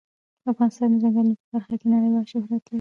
افغانستان د ځنګلونه په برخه کې نړیوال شهرت لري.